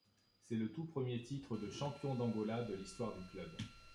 C'est le tout premier titre de champion d'Angola de l'histoire du club.